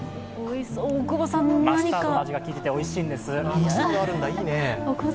マスタードの味が効いてておいしいんです。